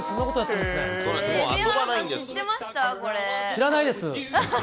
知らないです。